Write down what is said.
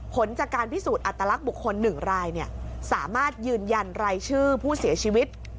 ผลจากการพิสูจน์อัตลักษณ์บุคคล๑รายสามารถยืนยันรายชื่อผู้เสียชีวิต